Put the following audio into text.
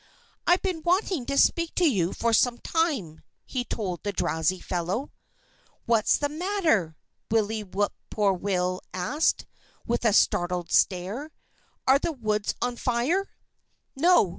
"I've been wanting to speak to you for some time," he told the drowsy fellow. "What's the matter?" Willie Whip poor will asked, with a startled stare. "Are the woods on fire?" "No!"